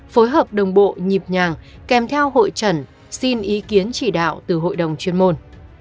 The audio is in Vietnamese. phối hợp đồng bộ nhịp nhàng kèm theo hội trần xin ý kiến chỉ đạo từ hội đồng chuyên môn